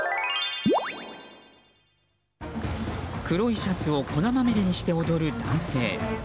黒いシャツを粉まみれにして踊る男性。